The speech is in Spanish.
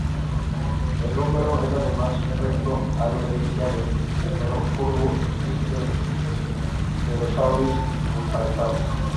El húmero es además recto, a diferencia del húmero curvo visto en pterosaurios emparentados.